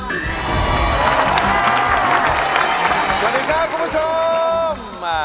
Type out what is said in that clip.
สวัสดีครับคุณผู้ชม